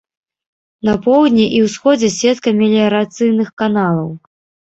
На поўдні і ўсходзе сетка меліярацыйных каналаў.